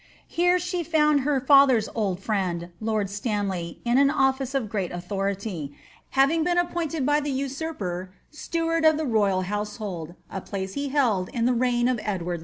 Here she found her father's old friend, lord Stanley, in an office of great authority, having been ap pointed by the usurper steward of the royal household, a place he held in the reign of Edward IV.'